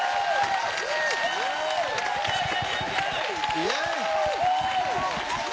イエーイ。